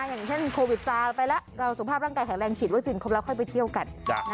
อย่างเช่นโควิดซาไปแล้วเราสุขภาพร่างกายแข็งแรงฉีดวัคซีนครบแล้วค่อยไปเที่ยวกัน